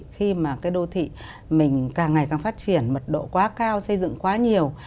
khi mà cái đô thị mình càng ngày càng phát triển mật độ quá cao xây dựng quá nhiều